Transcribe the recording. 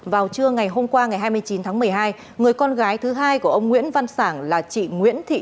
vào trưa ngày hôm qua ngày hai mươi chín tháng một mươi hai người con gái thứ hai của ông nguyễn văn sản là chị nguyễn thị